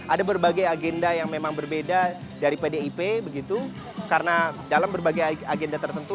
ada berbagai agenda yang memang berbeda dari pdip begitu karena dalam berbagai agenda tertentu